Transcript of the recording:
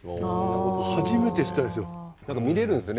初めて知ったんですよ。